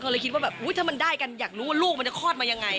เลยคิดว่าแบบอุ๊ยถ้ามันได้กันอยากรู้ว่าลูกมันจะคลอดมายังไง